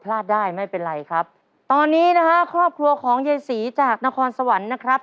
ได้ไม่เป็นไรครับตอนนี้นะฮะครอบครัวของยายศรีจากนครสวรรค์นะครับ